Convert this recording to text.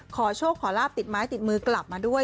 ขอโชคขอลาบติดไม้ติดมือกลับมาด้วย